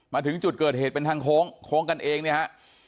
มาถึงจุดเกิดเหตุเป็นทางโค้งโค้งกันเองเนี่ยฮะ